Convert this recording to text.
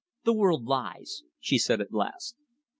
"The world lies!" she said at last.